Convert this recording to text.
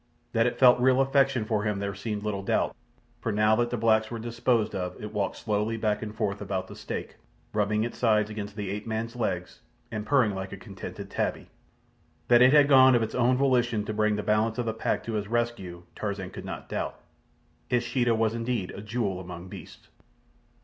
That it felt real affection for him there seemed little doubt, for now that the blacks were disposed of it walked slowly back and forth about the stake, rubbing its sides against the ape man's legs and purring like a contented tabby. That it had gone of its own volition to bring the balance of the pack to his rescue, Tarzan could not doubt. His Sheeta was indeed a jewel among beasts.